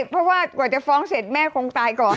เพราะว่ากว่าจะฟ้องเสร็จแม่คงตายก่อน